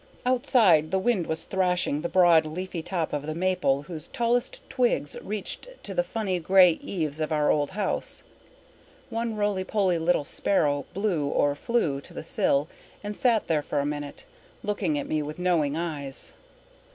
Outside the wind was thrashing the broad, leafy top of the maple whose tallest twigs reached to the funny grey eaves of our old house. One roly poly little sparrow blew or flew to the sill and sat there for a minute, looking at me with knowing eyes.